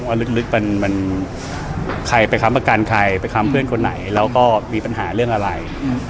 ลึกมันใครไปค้ำประกันใครไปค้ำเพื่อนคนไหนแล้วก็มีปัญหาเรื่องอะไร